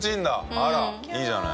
あらいいじゃない。